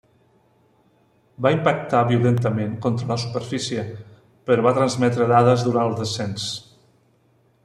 Va impactar violentament contra la superfície, però va transmetre dades durant el descens.